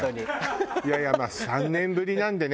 いやいやまあ３年ぶりなんでね